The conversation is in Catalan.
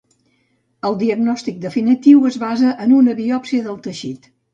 El diagnòstic definitiu es basa en una biòpsia del teixit.